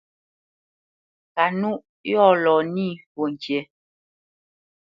Kanúʼ yɔ̂ lɔ nî fwo ŋkǐ.